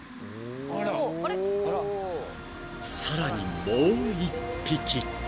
［さらにもう１匹］